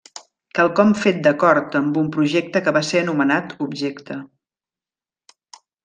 Quelcom fet d'acord amb un projecte va ser anomenat objecte.